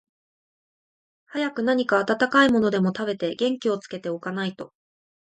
早く何か暖かいものでも食べて、元気をつけて置かないと、